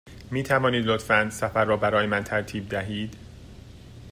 می توانید لطفاً سفر را برای من ترتیب دهید؟